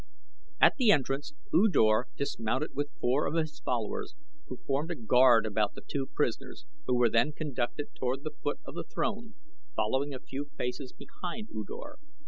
At the entrance U Dor dismounted with four of his followers who formed a guard about the two prisoners who were then conducted toward the foot of the throne, following a few paces behind U Dor.